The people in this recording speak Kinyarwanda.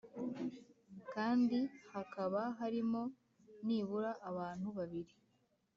Kandi hakaba harimo nibura abantu babiri